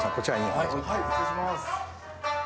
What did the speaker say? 失礼します。